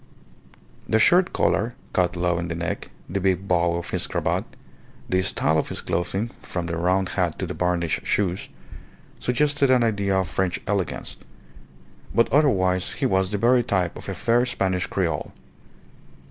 The shirt collar, cut low in the neck, the big bow of his cravat, the style of his clothing, from the round hat to the varnished shoes, suggested an idea of French elegance; but otherwise he was the very type of a fair Spanish creole.